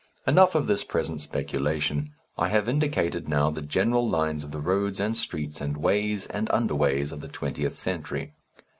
Enough of this present speculation. I have indicated now the general lines of the roads and streets and ways and underways of the Twentieth Century.